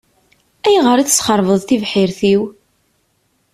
Ayɣer i tesxeṛbeḍ tibḥirt-iw?